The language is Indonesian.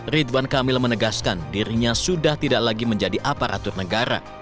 ridwan kamil menegaskan dirinya sudah tidak lagi menjadi aparatur negara